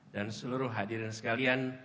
dan seluruh hadirin sekalian